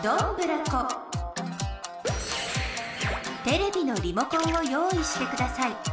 テレビのリモコンを用いしてください。